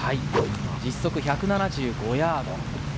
実測１７５ヤード。